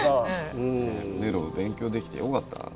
ネロを勉強できてよかった。